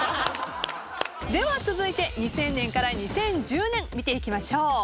続いて２０００年から２０１０年見ていきましょう。